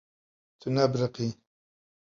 Tu nebiriqî.